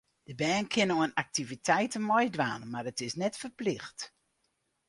De bern kinne oan aktiviteiten meidwaan, mar it is net ferplicht.